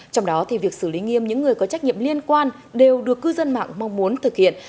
trong đó thì việc xử lý nghiêm những người có trách nhiệm liên quan đều được cư dân mạng mong muốn thực hiện